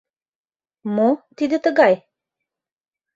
— Мо тиде тыгай?